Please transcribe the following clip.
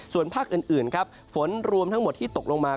ส่วนภาคอื่นครับฝนรวมทั้งหมดที่ตกลงมา